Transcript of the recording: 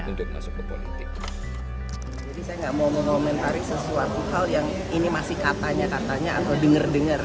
jadi saya nggak mau mengomentari sesuatu hal yang ini masih katanya katanya atau denger denger